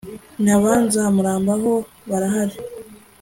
na ba nzamurambaho barahari